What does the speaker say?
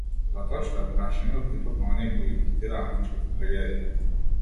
Затоа што е прашање од типот на оние кои ги третира античката трагедија.